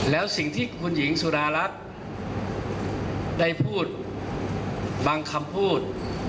แล้วสิ่งที่คุณหญิงสุดารัฐได้พูดบางคำพูด